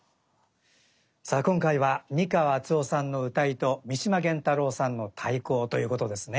さあ今回は三川淳雄さんの謡と三島元太郎さんの太鼓ということですね。